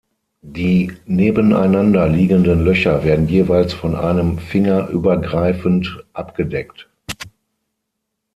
Die nebeneinander liegenden Löcher werden jeweils von einem Finger übergreifend abgedeckt.